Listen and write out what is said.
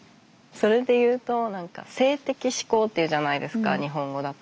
それでいうと何か「性的指向」っていうじゃないですか日本語だと。